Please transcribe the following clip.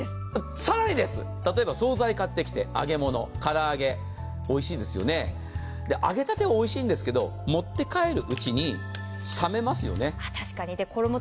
さらにです、例えば総菜買ってきて、唐揚げおいしいですよね、揚げたてはおいしいんですけど、持って帰るうちに冷めますよね。